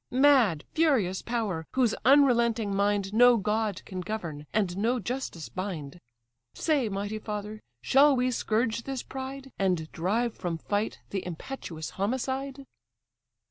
Mad, furious power! whose unrelenting mind No god can govern, and no justice bind. Say, mighty father! shall we scourge this pride, And drive from fight the impetuous homicide?"